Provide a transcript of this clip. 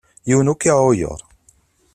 Yiwen ur k-iεuyer.